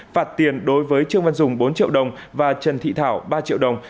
phạt tiền đối với trương văn dùng bốn triệu đồng và trần thị thảo ba triệu đồng